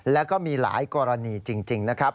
แล้วก็มีหลายกรณีจริงนะครับ